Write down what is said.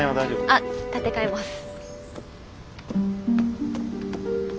あっ立て替えます。